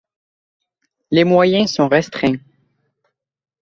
Les moyens sont restreints.